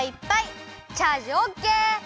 チャージオッケー！